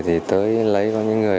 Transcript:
thì tới lấy có những người